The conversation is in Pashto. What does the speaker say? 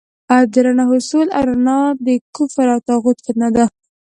د رڼا حصول او رڼا د کفر او طاغوت فتنه ده.